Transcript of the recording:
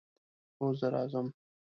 هو، زه راځم